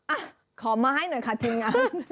อ่ะขอมาให้หน่อยค่ะทีมงาน